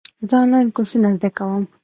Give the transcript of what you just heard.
زه آنلاین کورسونه زده کوم.